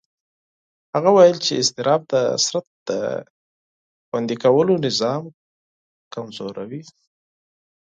هغه وویل چې اضطراب د بدن دفاعي نظام کمزوي.